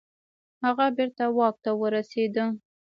هغه بیرته واک ته ورسیده.